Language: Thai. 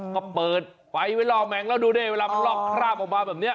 ก็เปิดไฟไว้ล่อแมงแล้วดูดิเวลามันลอกคราบออกมาแบบนี้